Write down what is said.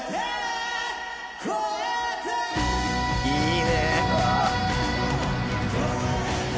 「いいね！」